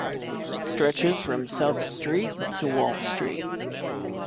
It stretches from South Street to Wall Street.